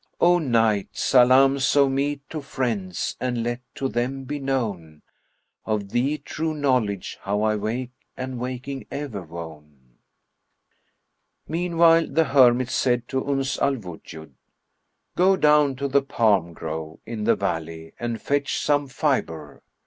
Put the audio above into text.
O Night! Salams of me to friends and let to them be known * Of thee true knowledge how I wake and waking ever wone." Meanwhile, the hermit said to Uns al Wujud, "Go down to the palm grove in the valley and fetch some fibre."